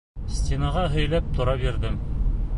Стенаға һөйәлеп тора бирҙем.